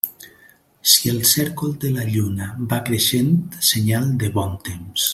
Si el cèrcol de la lluna va creixent, senyal de bon temps.